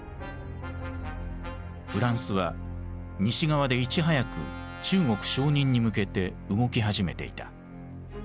フランスは西側でいち早く中国承認に向けて動き始めていた。